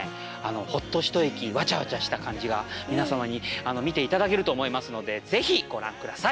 ホッと一息わちゃわちゃした感じが皆様に見て頂けると思いますので是非ご覧下さい！